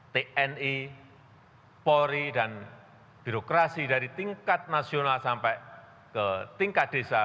tni polri dan birokrasi dari tingkat nasional sampai ke tingkat desa